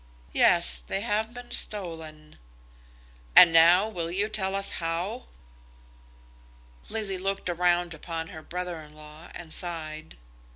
"Yes; they have been stolen." "And now will you tell us how?" Lizzie looked round upon her brother in law and sighed.